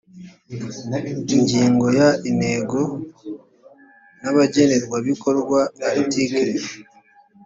ingingo ya intego n abagenerwabikorwa article